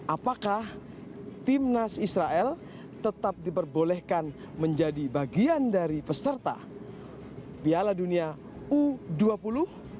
apakah timnas israel tetap diperbolehkan menjadi bagian dari peserta piala dunia u dua puluh